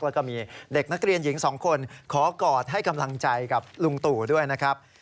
แล้วก็มีเด็กนักเรียนหญิง๒คนขอกอดให้กำลังใจกับลุงตู่ด้วยนะครับ